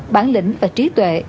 bản lĩnh và trí tuệ